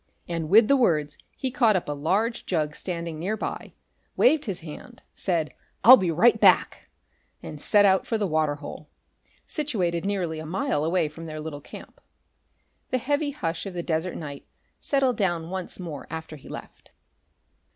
And with the words he caught up a large jug standing nearby, waved his hand, said: "I'll be right back!" and set out for the water hole, situated nearly a mile away from their little camp. The heavy hush of the desert night settled down once more after he left.